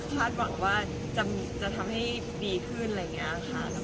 คาดหวังว่าจะทำให้ดีขึ้นแล้วก็เป็นกำลังใจให้